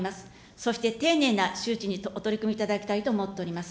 そして丁寧な周知にお取り組みいただきたいと思っております。